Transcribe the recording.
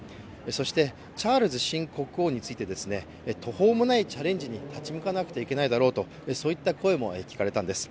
そしてチャールズ新国王について途方もないチャレンジに立ち向かわなくてはいけないだろうといった声も聞かれたんです。